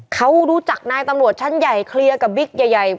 เขารู้จักนายตำรวจชั้นใหญ่เคลียร์กับบิ๊กใหญ่